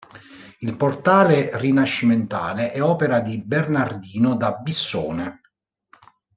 Il portale rinascimentale è opera di Bernardino da Bissone.